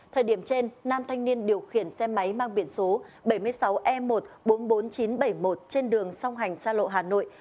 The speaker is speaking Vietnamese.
thời điểm trên nam thanh niên điều khiển xe máy mang biển số bảy mươi sáu e một bốn mươi bốn nghìn chín trăm bảy mươi một trên đường song hành xa lộ hà nội